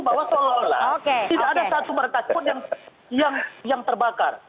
bahwa seolah olah tidak ada satu berkas pun yang terbakar